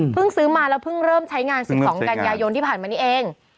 ซื้อมาแล้วเพิ่งเริ่มใช้งาน๑๒กันยายนที่ผ่านมานี้เอง